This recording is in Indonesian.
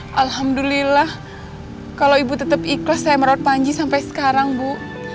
alhamdulillah kalau ibu tetap ikhlas saya merawat panji sampai sekarang bu